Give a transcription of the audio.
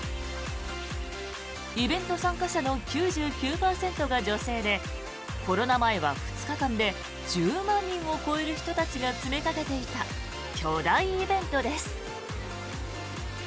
イベント参加者の９９％が女性でコロナ前は２日間で１０万人を超える人たちが詰めかけていた巨大イベントです。